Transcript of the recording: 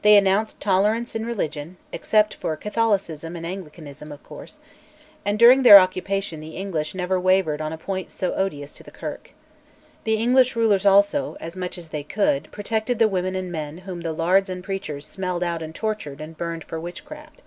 They announced tolerance in religion (except for Catholicism and Anglicanism, of course), and during their occupation the English never wavered on a point so odious to the Kirk. The English rulers also, as much as they could, protected the women and men whom the lairds and preachers smelled out and tortured and burned for witchcraft.